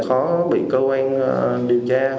khó bị cơ quan điều tra